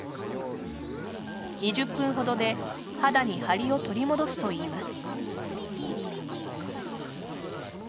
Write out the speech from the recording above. ２０分ほどで肌にハリを取り戻すといいます。